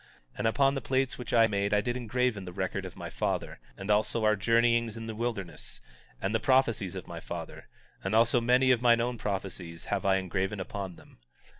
And upon the plates which I made I did engraven the record of my father, and also our journeyings in the wilderness, and the prophecies of my father; and also many of mine own prophecies have I engraven upon them.